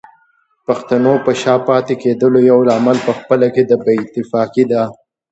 پښتنو په شا پاتې کېدلو يو لامل پخپله کې بې اتفاقي ده